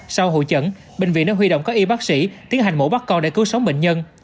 sau hội chẩn bệnh viện đã huy động các y bác sĩ tiến hành mổ bắt con để cứu sống bệnh nhân